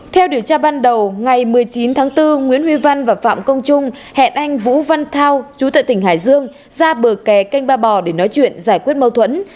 theo điều tra ban đầu ngày một mươi chín tháng bốn nguyễn huy văn và phạm công trung hẹn anh vũ văn thao chú tại tỉnh hải dương ra bờ kè kênh ba bò để nói chuyện giải quyết mâu thuẫn